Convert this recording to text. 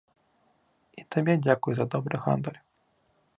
І табе дзякуй за добры гандаль.